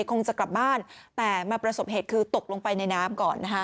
คงจะกลับบ้านแต่มาประสบเหตุคือตกลงไปในน้ำก่อนนะคะ